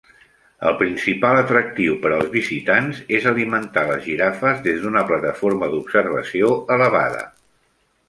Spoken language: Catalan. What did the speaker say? El principal atractiu per als visitants és alimentar les girafes des d'una plataforma d'observació elevada.